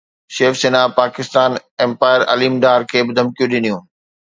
شيو Sena Pakistan umpire Aleem Dar کي به ڌمڪيون ڏنيون